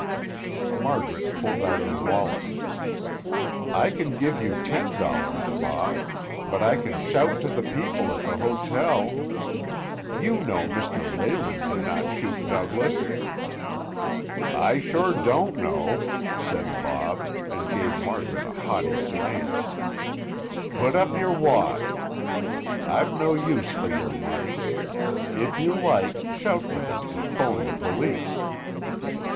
Margaret pulled out her wallet. "I can give you ten dollars, Bob; but I can shout to the people at the hotel. You know Mr. Leyland did not shoot Douglas." "I sure don't know," said Bob and gave Margaret a haughty glance. "Put up your wad; I've no use for your money. If you like, shout for them to 'phone the police."